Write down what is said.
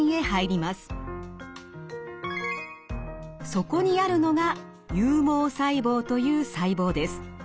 そこにあるのが有毛細胞という細胞です。